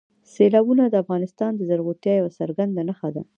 سیلابونه د افغانستان د زرغونتیا یوه څرګنده نښه ده.